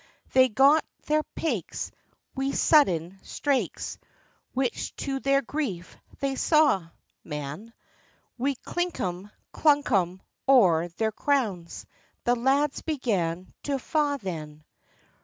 They got their paiks, wi sudden straiks, Which to their grief they saw, man: Wi clinkum, clankum o'er their crowns, The lads began to fa' then.